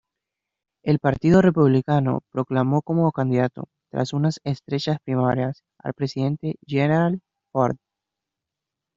El Partido Republicano proclamó como candidato, tras unas estrechas primarias, al presidente Gerald Ford.